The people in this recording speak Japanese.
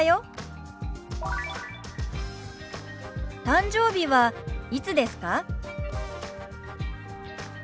誕生日はいつですか？